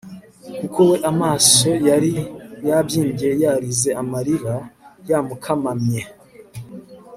kuko we amaso yari yabyimbye yarize amarira yamukamamye